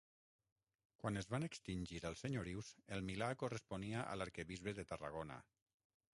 Quan es van extingir els senyorius, el Milà corresponia a l'arquebisbe de Tarragona.